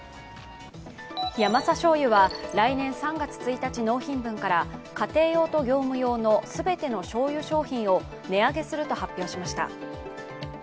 ヤマサ醤油は来年３月１日納品分から家庭用と業務用の全てのしょうゆ商品を値上げすると発表しました。